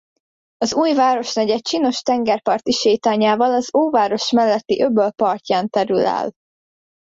Az új városnegyed csinos tengerparti sétányával az óváros melletti öböl partján terül el.